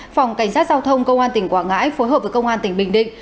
phòng cảnh sát giao thông công an tỉnh quảng ngãi phối hợp với công an tỉnh bình định